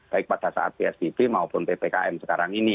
baik pada saat psbb maupun ppkm sekarang ini